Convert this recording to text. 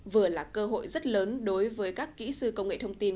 vừa là cơ hội rất lớn đối với các kỹ sư công nghệ thông tin